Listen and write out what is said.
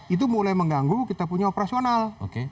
itu mulai mengganggu kita punya operasional